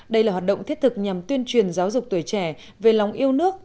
đây là hoạt động thiết thực nhằm tuyên truyền giáo dục tuổi trẻ về lòng yêu nước